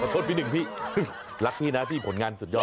โทษพี่หนึ่งพี่รักพี่นะที่ผลงานสุดยอด